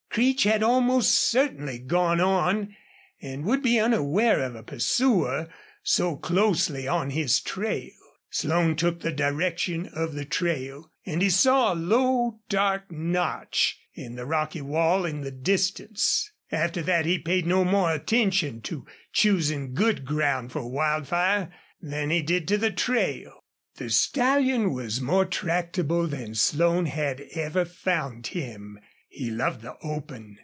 Creech had almost certainly gone on and would be unaware of a pursuer so closely on his trail. Slone took the direction of the trail, and he saw a low, dark notch in the rocky wall in the distance. After that he paid no more attention to choosing good ground for Wildfire than he did to the trail. The stallion was more tractable than Slone had ever found him. He loved the open.